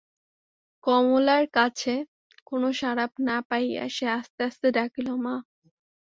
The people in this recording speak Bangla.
কমলার কাছে কোনো সাড়া না পাইয়া সে আস্তে আস্তে ডাকিল, মা!